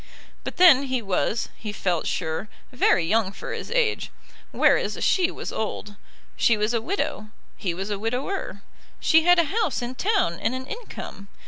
But then he was, he felt sure, very young for his age, whereas she was old. She was a widow; he was a widower. She had a house in town and an income.